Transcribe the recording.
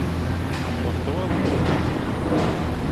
Hûn bextewar in?